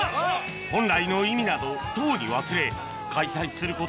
本来の意味などとうに忘れ開催すること